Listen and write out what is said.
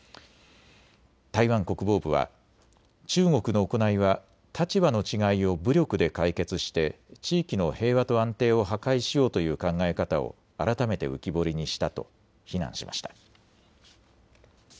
台湾国防部は、中国の行いは立場の違いを武力で解決して地域の平和と安定を破壊しようという考え方を改めて浮き彫りにしたと非難しました。